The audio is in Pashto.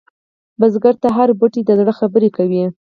بزګر ته هره بوټۍ د زړه خبره کوي